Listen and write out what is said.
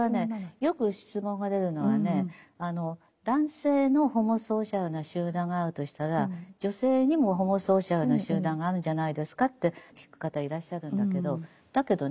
よく質問が出るのはね男性のホモソーシャルな集団があるとしたら女性にもホモソーシャルな集団があるんじゃないですかって聞く方いらっしゃるんだけどだけどね